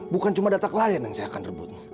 bukan cuma data klien yang saya akan rebut